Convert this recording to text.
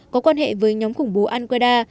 có quan hệ với nhóm khủng bố al qaeda